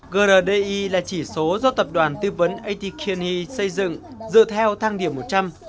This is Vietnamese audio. grdi là chỉ số do tập đoàn tư vấn atkini xây dựng dựa theo thăng điểm một trăm linh